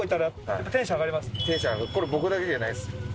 これ僕だけじゃないです。